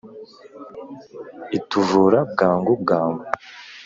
ituvura bwangu bwa ngu